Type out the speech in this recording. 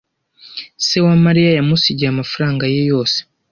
Se wa Mariya yamusigiye amafaranga ye yose.